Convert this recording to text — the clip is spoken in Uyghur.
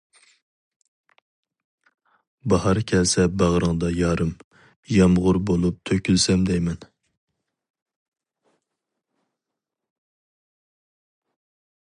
باھار كەلسە باغرىڭدا يارىم، يامغۇر بولۇپ تۆكۈلسەم دەيمەن.